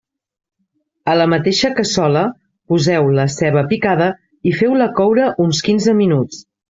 A la mateixa cassola poseu la ceba picada i feu-la coure uns quinze minuts.